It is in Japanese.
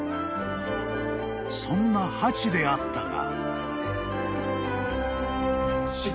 ［そんなハチであったが］